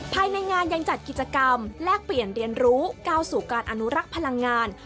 ภายในงานยังจัดกิจกรรมแลกเปลี่ยนเรียนรู้ก้าวสู่การอนุรักษ์พลังงาน